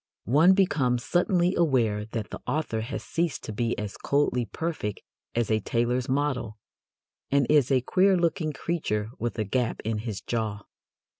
One becomes suddenly aware that the author has ceased to be as coldly perfect as a tailor's model, and is a queer looking creature with a gap in his jaw.